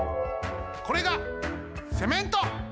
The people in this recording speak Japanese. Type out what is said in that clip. これがセメント！